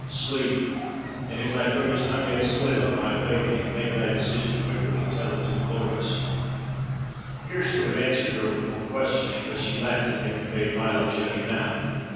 "Sleep, and if thy throat is not yet slit on thy awakening, make thy decision quickly, and tell it to Dolores." Pearse would have answered her with more questioning, but she laughed at him, and bade Milo shut him out.